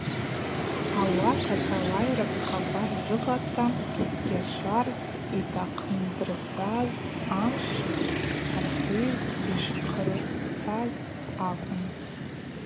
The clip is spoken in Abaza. Ауи аталайракӏ хабар жвыгъата Гьашвар йтахъындырхӏвуаз амшв Архыз йшхъырцаз акӏвын.